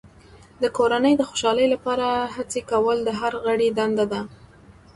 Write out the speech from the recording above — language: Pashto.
د کورنۍ د خوشحالۍ لپاره هڅې کول د هر غړي دنده ده.